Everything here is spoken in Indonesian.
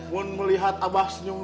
bun melihat abah senyum